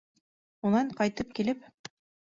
Унан ҡайтып килеп: